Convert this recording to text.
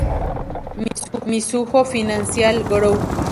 Mizuho Financial Group